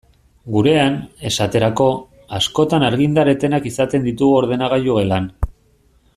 Gurean, esaterako, askotan argindar etenak izaten ditugu ordenagailu gelan.